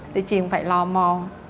thì chị cũng phải lò mò